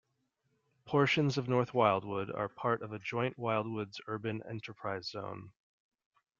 Portions of North Wildwood are part of a Joint Wildwoods Urban Enterprise Zone.